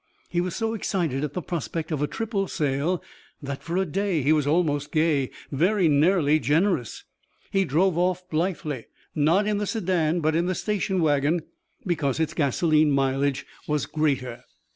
He was so excited at the prospect of a triple sale that for a day he was almost gay, very nearly generous. He drove off blithely not in the sedan, but in the station wagon, because its gasoline mileage was greater.